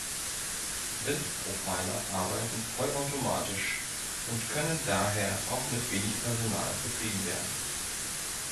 Wind Profiler arbeiten vollautomatisch und können daher auch mit wenig Personal betrieben werden.